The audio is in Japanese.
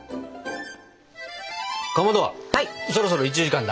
かまどそろそろ１時間だ。